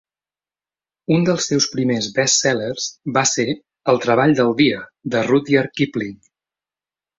Un dels seus primers bestsellers va ser "El treball del dia" de Rudyard Kipling.